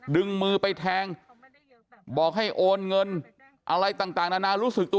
ดึงมือไปแทงบอกให้โอนเงินอะไรต่างนานารู้สึกตัว